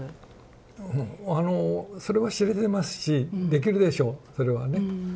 あのそれは知れてますしできるでしょうそれはね。